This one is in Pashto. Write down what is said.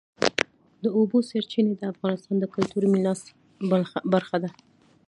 د اوبو سرچینې د افغانستان د کلتوري میراث برخه ده.